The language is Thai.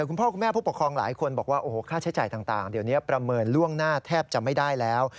คุณพ่อคุณแม่ผู้ปกครองหลายคนบอกว่าโอ้โหค่าใช้จ่ายต่างเดี๋ยวนี้ประเมินล่วงหน้าแทบจะไม่ได้แล้ว